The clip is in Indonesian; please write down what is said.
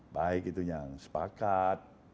baik itu yang sepakat